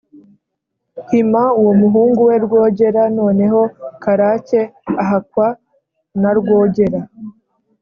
hima uwo muhungu we rwogera. noneho karake ahakwa na rwogera